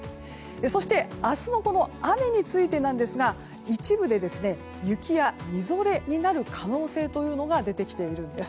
そして明日の雨についてですが一部で雪やみぞれになる可能性というのが出てきているんです。